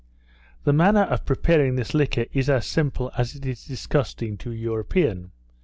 The manner of preparing this liquor is as simple as it is disgusting to an European.